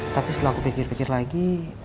tapi setelah aku pikir pikir lagi